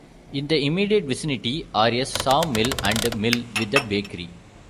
In the immediate vicinity are a sawmill and mill with a bakery.